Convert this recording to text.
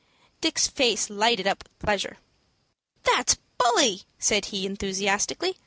Dick's face lighted up with pleasure. "That's bully," said he, enthusiastically.